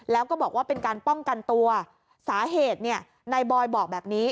แล้วก็บอกว่าเป็นการป้องกันตัวสาเหตุเนี่ยนายบอยบอกแบบนี้